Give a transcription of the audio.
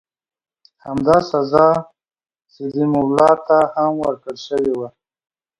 همدا سزا سیدي مولا ته هم ورکړل شوې وه.